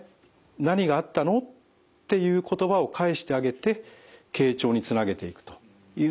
何があったの？」っていう言葉を返してあげて傾聴につなげていくというのがいい対応だと。